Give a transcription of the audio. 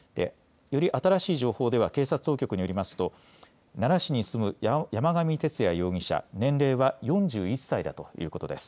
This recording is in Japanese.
より新しい情報では警察当局によりますと奈良市に住む山上徹也容疑者年齢は４１歳だということです。